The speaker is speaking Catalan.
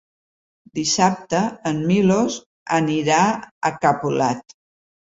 Dissabte en Milos anirà a Capolat.